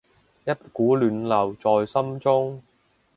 一股暖流在心中